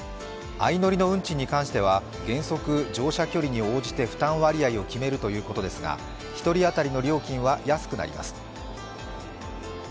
相乗りの運賃に関しては原則乗車距離に応じて負担割合を決めるということですが、１人当たりの料金は安くなります。